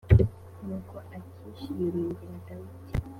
nuko akishi yiringira dawidi .